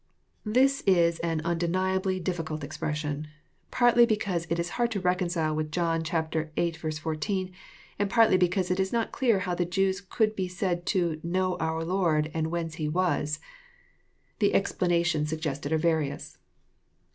'] This is an undeniably difficult expression ; partly because it is hard to reconcile with John viii. 14, and partly because it is not clear how the Jews could be said to " know our Lord " and " whence He was." The explanations suggested are various.